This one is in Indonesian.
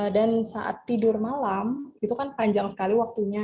dan saat tidur malam itu kan panjang sekali waktunya